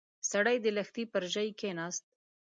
سړی د لښتي پر ژۍ کېناست.